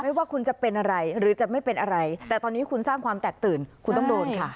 ว่าคุณจะเป็นอะไรหรือจะไม่เป็นอะไรแต่ตอนนี้คุณสร้างความแตกตื่นคุณต้องโดนค่ะ